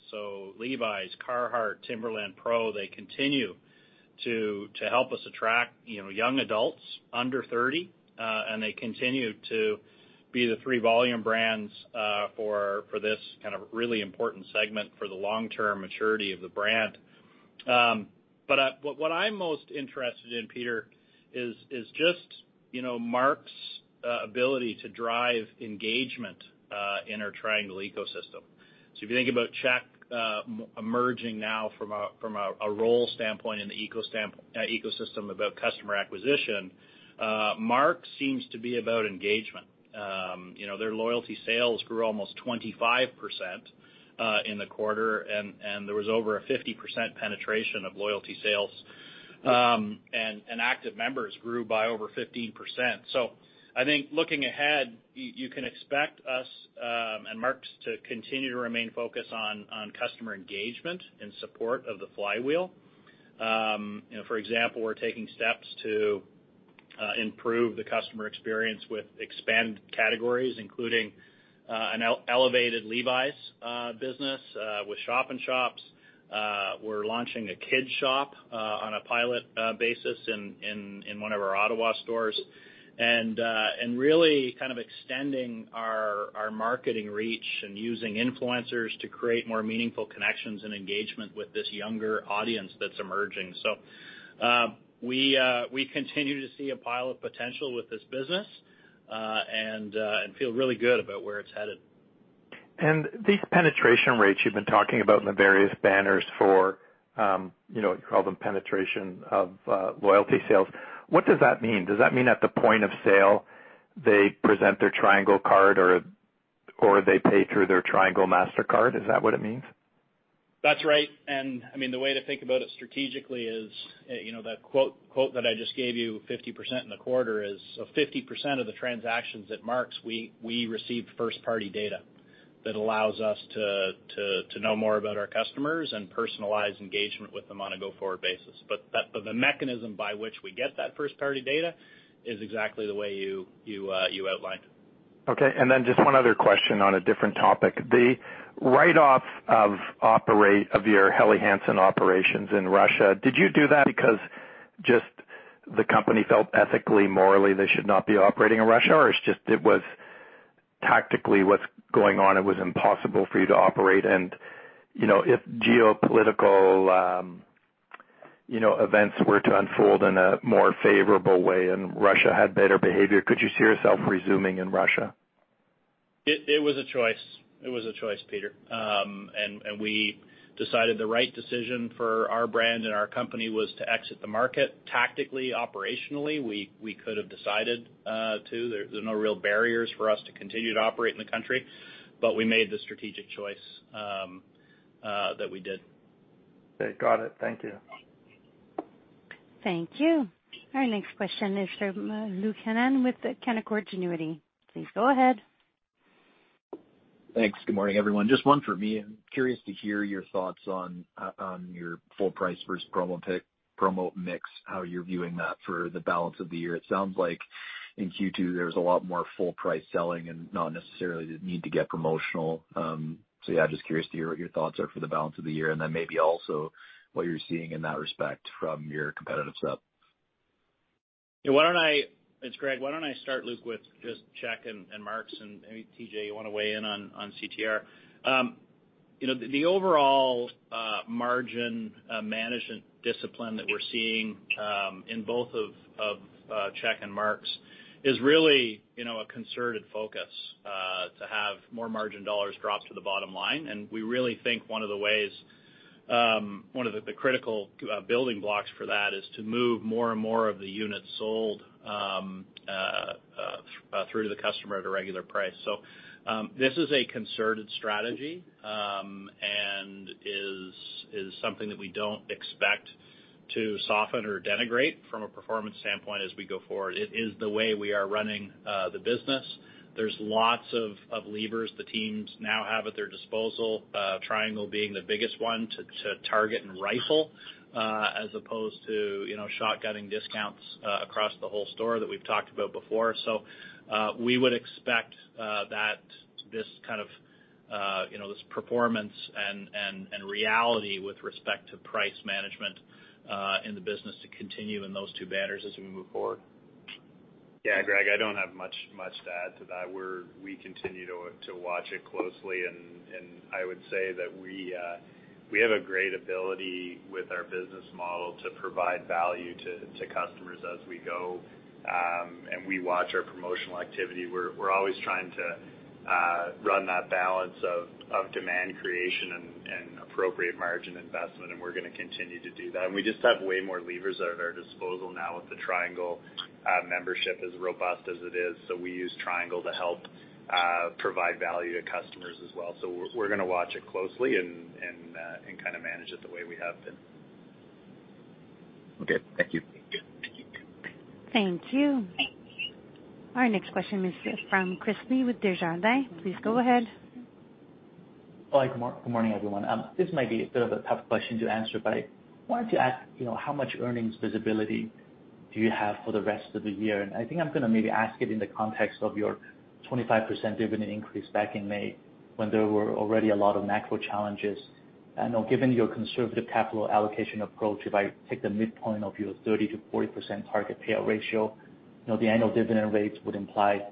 Levi's, Carhartt, Timberland PRO, they continue to help us attract you know young adults under 30 and they continue to be the 3 volume brands for this kind of really important segment for the long-term maturity of the brand. What I'm most interested in, Peter, is just you know Mark's ability to drive engagement in our Triangle ecosystem. If you think about SportChek, emerging now from a role standpoint in the ecosystem about customer acquisition, Mark's seems to be about engagement. You know, their loyalty sales grew almost 25% in the quarter, and there was over a 50% penetration of loyalty sales. Active members grew by over 15%. I think looking ahead, you can expect us and Mark's to continue to remain focused on customer engagement in support of the flywheel. You know, for example, we're taking steps to improve the customer experience with expanded categories, including an elevated Levi's business with shop-in-shops. We're launching a kids shop on a pilot basis in one of our Ottawa stores. really kind of extending our marketing reach and using influencers to create more meaningful connections and engagement with this younger audience that's emerging. We continue to see a pile of potential with this business and feel really good about where it's headed. These penetration rates you've been talking about in the various banners for, you know, you call them penetration of loyalty sales, what does that mean? Does that mean at the point of sale, they present their Triangle card or they pay through their Triangle Mastercard? Is that what it means? That's right. I mean, the way to think about it strategically is, you know, the quote that I just gave you, 50% in the quarter is so 50% of the transactions at Mark's, we receive first-party data that allows us to know more about our customers and personalize engagement with them on a go-forward basis. But the mechanism by which we get that first-party data is exactly the way you outlined. Okay. Then just one other question on a different topic. The write-off of your Helly Hansen operations in Russia, did you do that because just the company felt ethically, morally, they should not be operating in Russia, or it was just tactically what's going on, it was impossible for you to operate? You know, if geopolitical, you know, events were to unfold in a more favorable way and Russia had better behavior, could you see yourself resuming in Russia? It was a choice, Peter. We decided the right decision for our brand and our company was to exit the market tactically, operationally. There's no real barriers for us to continue to operate in the country. We made the strategic choice that we did. Okay, got it. Thank you. Thank you. Our next question is from Luke Hannan with Canaccord Genuity. Please go ahead. Thanks. Good morning, everyone. Just one for me. I'm curious to hear your thoughts on your full price versus promo mix, how you're viewing that for the balance of the year. It sounds like in Q2, there's a lot more full price selling and not necessarily the need to get promotional. Yeah, just curious to hear what your thoughts are for the balance of the year, and then maybe also what you're seeing in that respect from your competitive set. It's Greg. Why don't I start, Luke, with just SportChek and Mark's, and maybe TJ, you wanna weigh in on CTR. You know, the overall margin management discipline that we're seeing in both of SportChek and Mark's is really, you know, a concerted focus. More margin dollars drop to the bottom line, and we really think one of the critical building blocks for that is to move more and more of the units sold to the customer at a regular price. This is a concerted strategy and is something that we don't expect to soften or deviate from a performance standpoint as we go forward. It is the way we are running the business. There's lots of levers the teams now have at their disposal, Triangle being the biggest one to target and rifle as opposed to, you know, shotgunning discounts across the whole store that we've talked about before. We would expect that this kind of, you know, this performance and reality with respect to price management in the business to continue in those two banners as we move forward. Yeah, Greg, I don't have much to add to that. We continue to watch it closely and I would say that we have a great ability with our business model to provide value to customers as we go, and we watch our promotional activity. We're always trying to run that balance of demand creation and appropriate margin investment, and we're gonna continue to do that. We just have way more levers at our disposal now with the Triangle membership as robust as it is. We use Triangle to help provide value to customers as well. We're gonna watch it closely and kinda manage it the way we have been. Okay. Thank you. Thank you. Our next question is from Chris Li with Desjardins. Please go ahead. Hi, good morning, everyone. This might be a bit of a tough question to answer, but I wanted to ask, you know, how much earnings visibility do you have for the rest of the year? I think I'm gonna maybe ask it in the context of your 25% dividend increase back in May when there were already a lot of macro challenges. I know given your conservative capital allocation approach, if I take the midpoint of your 30%-40% target payout ratio, you know, the annual dividend rates would imply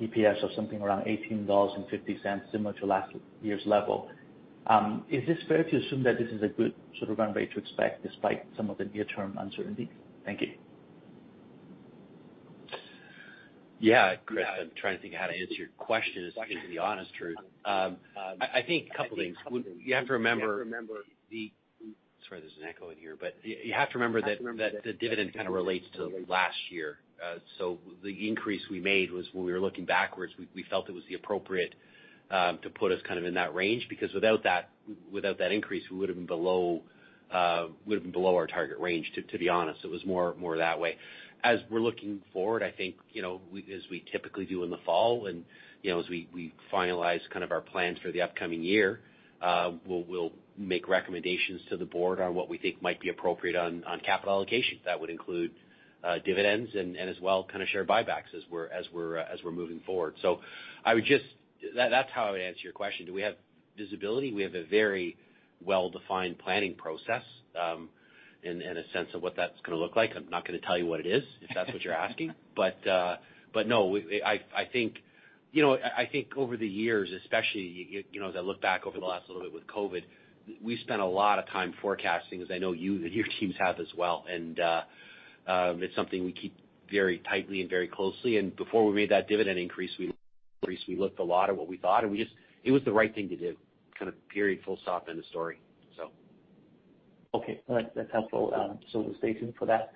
EPS of something around $ 18.50, similar to last year's level. Is it fair to assume that this is a good sort of run rate to expect despite some of the near-term uncertainty? Thank you. Yeah, Chris, I'm trying to think of how to answer your question, to be honest, truly. I think a couple things. You have to remember the... Sorry, there's an echo in here. But you have to remember that the dividend kind of relates to last year. So the increase we made was when we were looking backwards. We felt it was the appropriate to put us kind of in that range, because without that increase, we would've been below our target range. To be honest, it was more that way. As we're looking forward, I think, you know, we as we typically do in the fall and, you know, as we finalize kind of our plans for the upcoming year, we'll make recommendations to the board on what we think might be appropriate on capital allocation. That would include dividends and as well kind of share buybacks as we're moving forward. That's how I would answer your question. Do we have visibility? We have a very well-defined planning process and a sense of what that's gonna look like. I'm not gonna tell you what it is, if that's what you're asking. No, I think you know I think over the years, especially you know as I look back over the last little bit with COVID, we've spent a lot of time forecasting, as I know you and your teams have as well. It's something we keep very tightly and very closely. Before we made that dividend increase, we looked a lot at what we thought, and we just. It was the right thing to do, kind of period, full stop, end of story. Okay. That's helpful. So we'll stay tuned for that.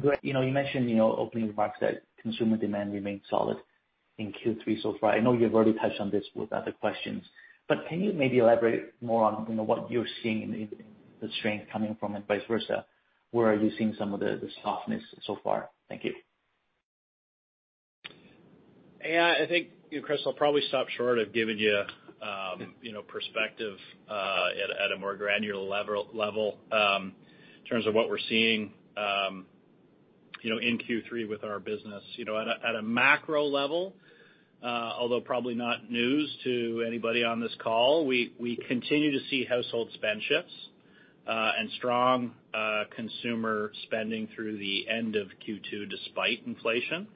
Greg, you know, you mentioned, you know, opening remarks that consumer demand remained solid in Q3 so far. I know you've already touched on this with other questions, but can you maybe elaborate more on, you know, what you're seeing in the strength coming from and vice versa? Where are you seeing some of the softness so far? Thank you. Yeah, I think, you know, Chris, I'll probably stop short of giving you know, perspective at a more granular level in terms of what we're seeing, you know, in Q3 with our business. You know, at a macro level, although probably not news to anybody on this call, we continue to see household spending shifts and strong consumer spending through the end of Q2 despite inflation.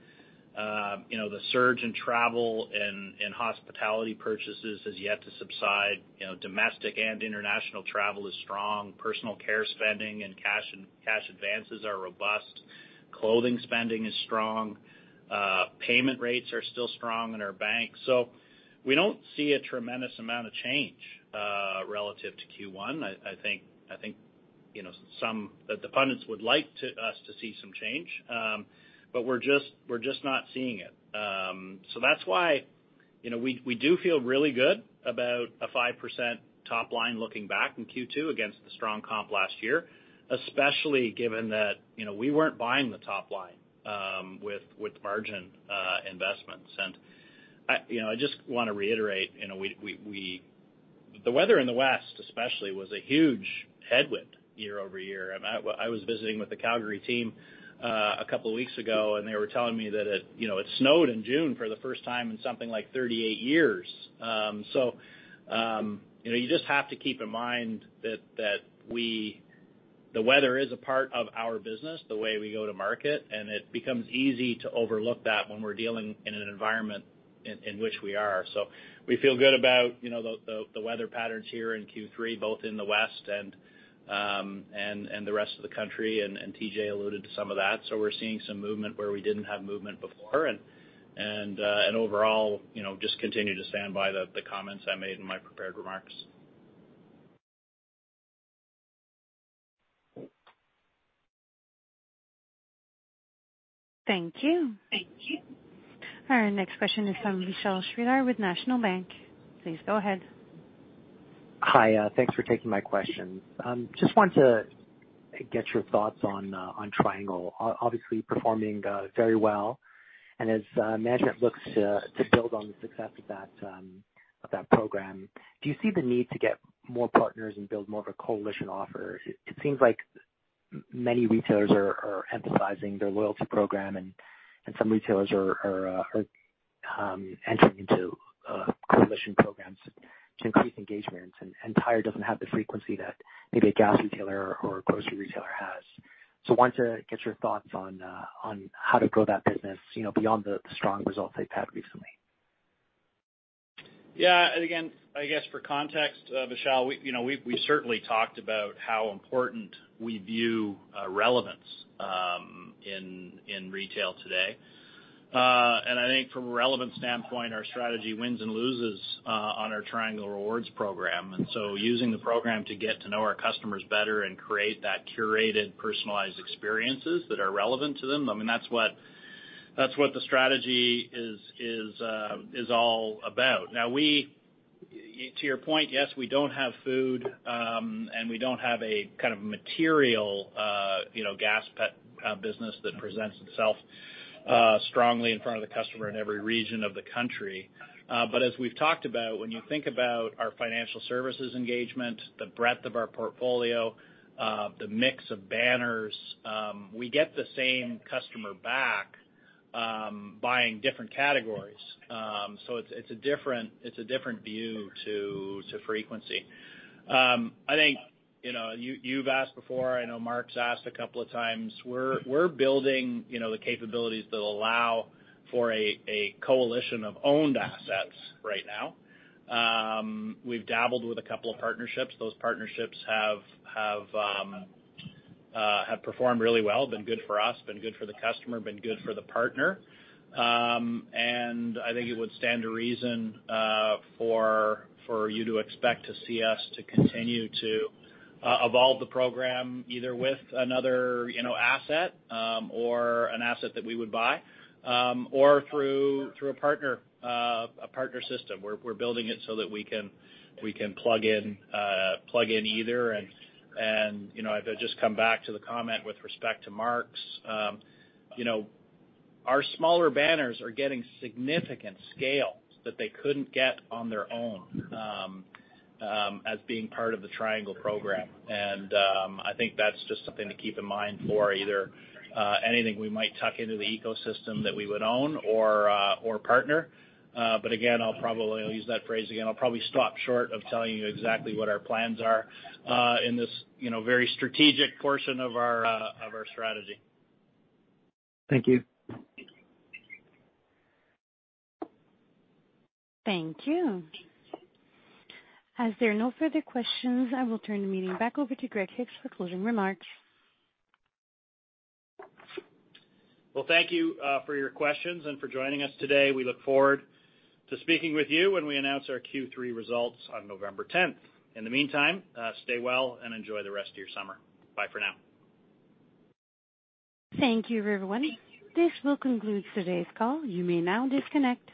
You know, the surge in travel and hospitality purchases has yet to subside. You know, domestic and international travel is strong. Personal care spending and cash advances are robust. Clothing spending is strong. Payment rates are still strong in our bank. We don't see a tremendous amount of change relative to Q1. I think, you know, some. The pundits would like to see us see some change, but we're just not seeing it. That's why, you know, we do feel really good about a 5% top line looking back in Q2 against the strong comp last year, especially given that, you know, we weren't buying the top line with margin investments. I just wanna reiterate, you know, we. The weather in the west especially was a huge headwind year-over-year. I mean, I was visiting with the Calgary team a couple weeks ago, and they were telling me that it, you know, it snowed in June for the first time in something like 38 years. You know, you just have to keep in mind that the weather is a part of our business, the way we go to market, and it becomes easy to overlook that when we're dealing in an environment in which we are. We feel good about, you know, the weather patterns here in Q3, both in the West and the rest of the country, and TJ alluded to some of that. We're seeing some movement where we didn't have movement before. Overall, you know, just continue to stand by the comments I made in my prepared remarks. Thank you. Thank you. Our next question is from Vishal Shreedhar with National Bank. Please go ahead. Hi. Thanks for taking my questions. Just want to get your thoughts on Triangle. Obviously performing very well, and as management looks to build on the success of that program, do you see the need to get more partners and build more of a coalition offer? It seems like many retailers are emphasizing their loyalty program and some retailers are entering into coalition programs to increase engagements, and Tire doesn't have the frequency that maybe a gas retailer or a grocery retailer has. Wanted to get your thoughts on how to grow that business, you know, beyond the strong results they've had recently. Yeah. Again, I guess for context, Vishal, we, you know, we've certainly talked about how important we view relevance in retail today. I think from a relevance standpoint, our strategy wins and loses on our Triangle Rewards program. Using the program to get to know our customers better and create that curated, personalized experiences that are relevant to them, I mean, that's what the strategy is all about. To your point, yes, we don't have food and we don't have a kind of material, you know, Gas+ business that presents itself strongly in front of the customer in every region of the country. As we've talked about, when you think about our financial services engagement, the breadth of our portfolio, the mix of banners, we get the same customer back, buying different categories. It's a different view to frequency. I think, you know, you've asked before, I know Mark's asked a couple of times, we're building, you know, the capabilities that allow for a coalition of owned assets right now. We've dabbled with a couple of partnerships. Those partnerships have performed really well. Been good for us, been good for the customer, been good for the partner. I think it would stand to reason, for you to expect to see us continue to evolve the program either with another, you know, asset, or an asset that we would buy, or through a partner, a partner system. We're building it so that we can plug in either. You know, I'd just come back to the comment with respect to Mark's, you know, our smaller banners are getting significant scale that they couldn't get on their own, as being part of the Triangle program. I think that's just something to keep in mind for either, anything we might tuck into the ecosystem that we would own or partner. Again, I'll use that phrase again. I'll probably stop short of telling you exactly what our plans are in this, you know, very strategic portion of our strategy. Thank you. Thank you. As there are no further questions, I will turn the meeting back over to Greg Hicks for closing remarks. Well, thank you for your questions and for joining us today. We look forward to speaking with you when we announce our Q3 results on November tenth. In the meantime, stay well and enjoy the rest of your summer. Bye for now. Thank you, everyone. This will conclude today's call. You may now disconnect.